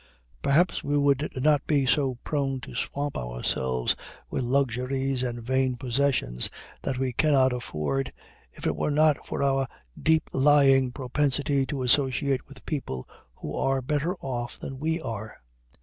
Perhaps we would not be so prone to swamp ourselves with luxuries and vain possessions that we cannot afford, if it were not for our deep lying propensity to associate with people who are better off than we are.